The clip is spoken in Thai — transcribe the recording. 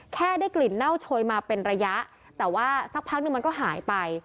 ได้กลิ่นเน่าโชยมาเป็นระยะแต่ว่าสักพักนึงมันก็หายไป